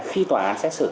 khi tòa án xét xử